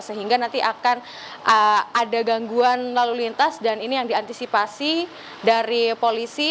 sehingga nanti akan ada gangguan lalu lintas dan ini yang diantisipasi dari polisi